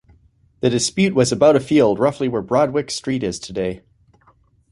The dispute was about a field roughly where Broadwick Street is today.